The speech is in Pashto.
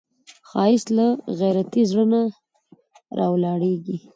ښایست له غیرتي زړه نه راولاړیږي